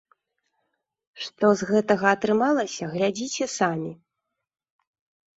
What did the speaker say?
Што з гэтага атрымалася, глядзіце самі.